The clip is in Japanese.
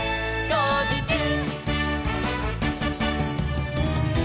「こうじちゅう！！」